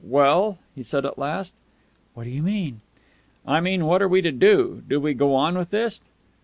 "Well?" he said at last. "What do you mean?" "I mean, what are we to do? Do we go on with this?"